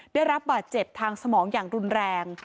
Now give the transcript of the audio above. ได้รับบาดเจ็บทางสมองอย่างรุนแรง